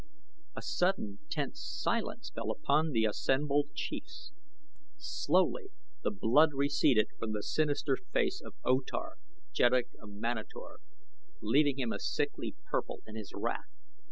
A sudden, tense silence fell upon the assembled chiefs. Slowly the blood receded from the sinister face of O Tar, Jeddak of Manator, leaving him a sickly purple in his wrath.